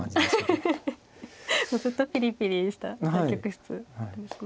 もうずっとピリピリした対局室なんですね。